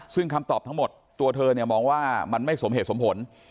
ซึ่งคำตอบทั้งหมดตัวเธอเนี่ยมองว่ามันไม่สมเหตุสมผล